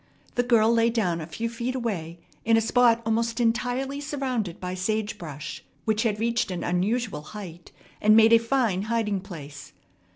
The girl lay down a few feet away in a spot almost entirely surrounded by sage brush which had reached an unusual height and made a fine hiding place.